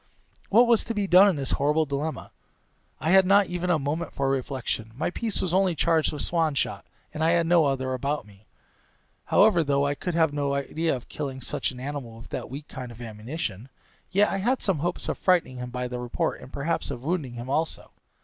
What was to be done in this horrible dilemma? I had not even a moment for reflection; my piece was only charged with swan shot, and I had no other about me. However, though I could have no idea of killing such an animal with that weak kind of ammunition, yet I had some hopes of frightening him by the report, and perhaps of wounding him also.